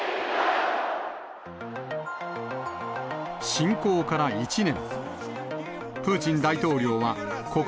侵攻から１年。